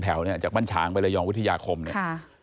แถวเนี่ยจากบ้านฉางไประยองวิทยาคมเนี่ย